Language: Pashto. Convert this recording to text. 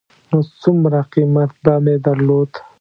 نو څومره قېمت به مې درلود.